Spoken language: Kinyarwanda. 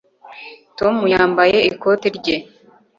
tom yambaye ikoti rye